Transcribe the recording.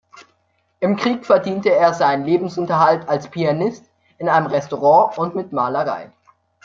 Im Krieg verdiente er seinen Lebensunterhalt als Pianist in einem Restaurant und mit Malerei.